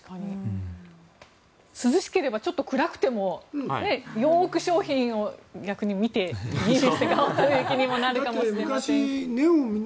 涼しければちょっと暗くてもよく商品を逆に見る気にもなるかもしれません。